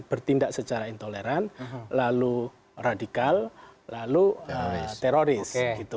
bertindak secara intoleran lalu radikal lalu teroris